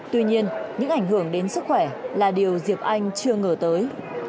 tuy nhiên những ảnh hưởng đến sức khỏe là điều diệp anh chưa ngờ tới